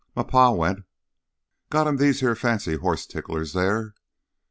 M'pa went ... got him these heah fancy hoss ticklers theah."